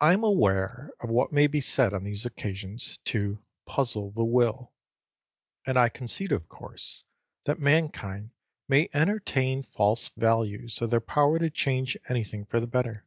I am aware of what may be said on these occasions, to "puzzle the will;" and I concede of course, that mankind may entertain false views of their power to change anything for the better.